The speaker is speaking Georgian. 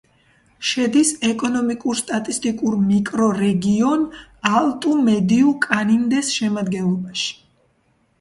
შედის ეკონომიკურ-სტატისტიკურ მიკრორეგიონ ალტუ-მედიუ-კანინდეს შემადგენლობაში.